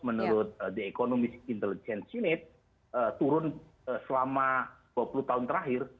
menurut the economist intelligence unit turun selama dua puluh tahun terakhir